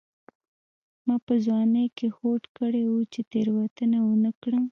ما په ځوانۍ کې هوډ کړی و چې تېروتنه ونه کړم.